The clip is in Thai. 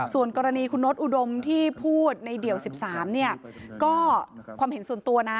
ส่วนกรณีคุณโน๊ตอุดมที่พูดในเดี่ยว๑๓เนี่ยก็ความเห็นส่วนตัวนะ